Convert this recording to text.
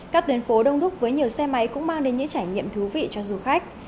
các tuyến phố đông đúc với nhiều xe máy cũng mang đến những trải nghiệm thú vị cho du khách